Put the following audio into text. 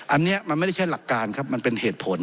อันนี้มันไม่ได้แค่หลักการครับมันเป็นเหตุผล